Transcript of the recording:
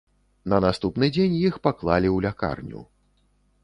На наступны дзень іх паклалі ў лякарню.